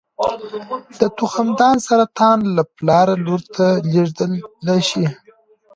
د تخمدان سرطان له پلاره لور ته لېږدېدلی شي.